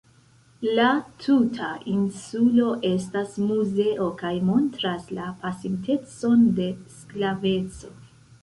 La tuta insulo estas muzeo kaj montras la pasintecon de sklaveco.